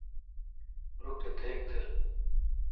رو کتیک تہ۔